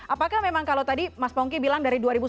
apakah memang kalau tadi mas pongki bilang dari